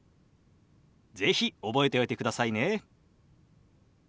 是非覚えておいてくださいね。